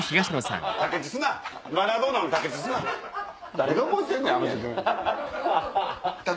誰が覚えてんねん！